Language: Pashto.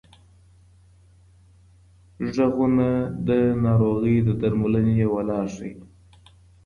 غږونه د ناروغۍ د درملنې یوه لار ښيي.